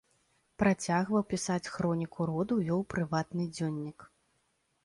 Працягваў пісаць хроніку роду, вёў прыватны дзённік.